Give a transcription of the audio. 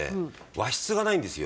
和室がないんですよ。